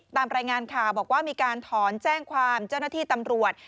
ตามรายงานข่าวบอกว่ามีการถอนแจ้งความเจ้าหน้าที่ตำรวจ